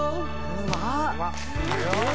うまっ！